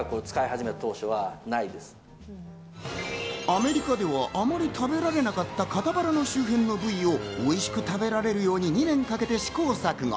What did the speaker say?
アメリカではあまり食べられなかった肩バラの周辺の部位をおいしく食べられるように２年かけて試行錯誤。